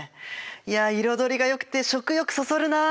いや彩りがよくて食欲そそるなあ。